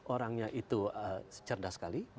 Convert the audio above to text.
orangnya itu cerdas sekali